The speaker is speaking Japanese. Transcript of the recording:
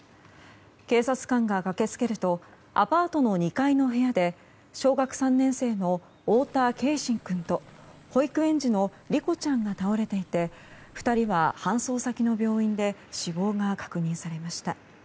警察官が駆け付けるとアパートの２階の部屋で小学３年生の太田継真君と保育園児の梨心ちゃんが倒れていて２人は搬送先の病院で死亡が確認されました。